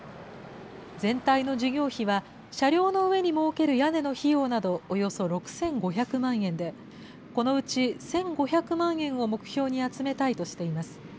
全体の事業費は、車両の上に設ける屋根の費用などおよそ６５００万円で、このうち１５００万円を目標に集めたいとしています。